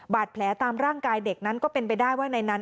บาดแผลตามร่างกายเด็กนั้นก็เป็นไปได้ว่าในนั้น